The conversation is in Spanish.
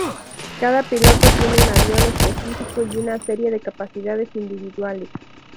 Cada piloto tiene un avión específico y una serie de capacidades individuales.